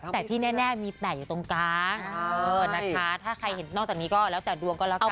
แต่ที่แน่มีแปะอยู่ตรงกลางนะคะถ้าใครเห็นนอกจากนี้ก็แล้วแต่ดวงก็แล้วกัน